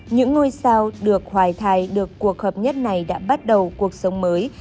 những ngôi sao được hoài thai được cuộc hợp nhất này đã bắt đầu cuộc sống mới